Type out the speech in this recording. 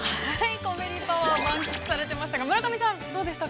◆コメリパワーを満喫されていましたが、村上さん、どうでしたか？